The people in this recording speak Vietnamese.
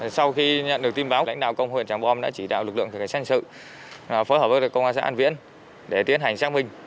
sau khi nhận được tin báo lãnh đạo công an huyện trảng bom đã chỉ đạo lực lượng cảnh sát hình sự phối hợp với công an xã an viễn để tiến hành xác minh